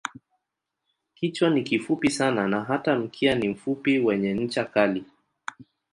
Kichwa ni kifupi sana na hata mkia ni mfupi wenye ncha kali.